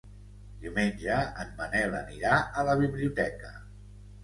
Diumenge en Manel anirà a la biblioteca.